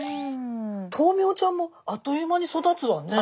豆苗ちゃんもあっという間に育つわね。